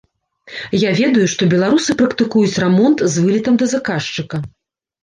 Я ведаю, што беларусы практыкуюць рамонт з вылетам да заказчыка.